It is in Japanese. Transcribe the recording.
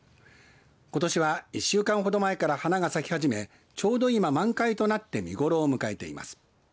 ことしは１週間ほど前から花が咲き始めちょうど今、満開となって見頃を迎えています。